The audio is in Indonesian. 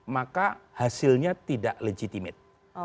maka hasilnya tidak legitimate